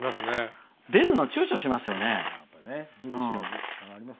出るのに、ちゅうちょしますよね。